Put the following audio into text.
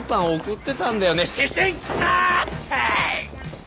って。